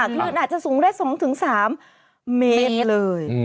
คลื่นอาจจะสูงได้๒๓เมตรเลย